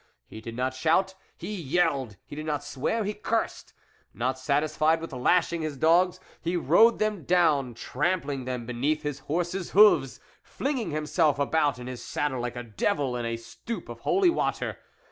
He did not shout, he yelled ; he did not swear, he cursed. Not satisfied with lashing his dogs, he rode them down, trampling them beneath his horse's hoofs, flinging himself about in his saddle like a devil in a stoup of hoi water.